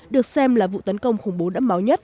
được xem là vụ tấn công khủng bố đẫm máu nhất